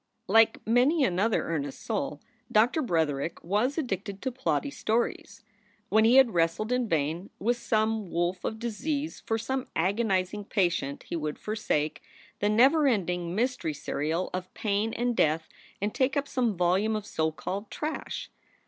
Like many another earnest soul, Doctor Bretherick was addicted to plotty stories. When he had wrestled in vain with some wolf of disease for some agonizing patient he would forsake the never ending mystery serial of pain and death and take up some volume of so called "trash."